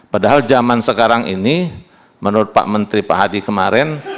padahal zaman sekarang ini menurut pak menteri pak hadi kemarin